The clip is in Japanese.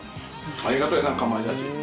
ありがたいなかまいたち。